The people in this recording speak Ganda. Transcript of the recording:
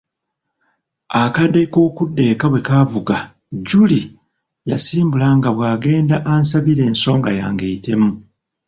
Akadde k'okudda eka bwe kaavuga Julie yansiibula nga bw'agenda ansabira ensonga yange eyitemu.